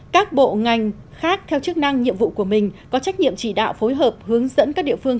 các bộ ngành khác theo chức năng nhiệm vụ của mình có trách nhiệm chỉ đạo phối hợp hướng dẫn các địa phương